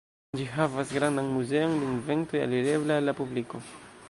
Ĝi havas grandan muzeon de inventoj alirebla al la publiko.